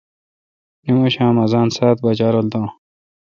نماشام اذان سات بجا رل دان